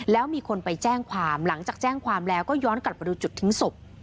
แล้วมีคนไปแจ้งความหลังจากแจ้งความแล้วก็ย้อนกลับมาดูจุดทิ้งศพ